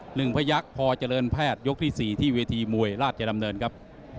พยักษ์พอเจริญแพทย์ยกที่สี่ที่เวทีมวยราชดำเนินครับ